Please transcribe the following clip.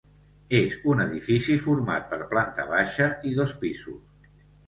És un edifici format per planta baixa i dos pisos.